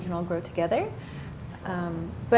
kita bisa tumbuh bersama